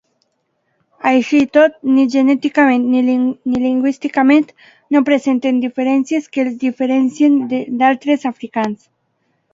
Així i tot, ni genèticament ni lingüísticament no presenten diferències que els diferencien d'altres africans.